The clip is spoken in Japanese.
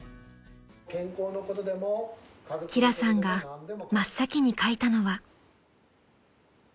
［輝さんが真っ先に書いたのは］